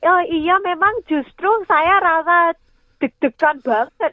oh iya memang justru saya rasa deg degan banget